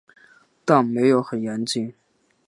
但没有很严谨